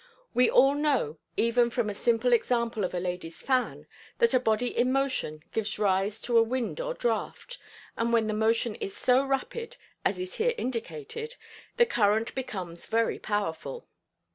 We all know, even from a simple example of a lady's fan, that a body in motion gives rise to a wind or draught, and when the motion is so rapid as is here indicated, the current becomes very powerful.